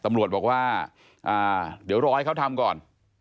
ตำรวจบอกว่าเดี๋ยวรอให้เขาทำก่อน